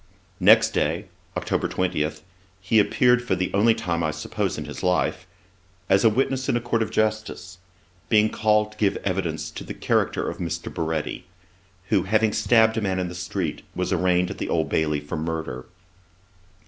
Next day, October 20, he appeared, for the only time I suppose in his life, as a witness in a Court of Justice, being called to give evidence to the character of Mr. Baretti, who having stabbed a man in the street, was arraigned at the Old Bailey for murder.